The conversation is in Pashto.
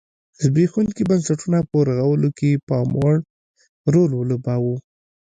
زبېښونکي بنسټونه په رغولو کې پاموړ رول ولوباوه.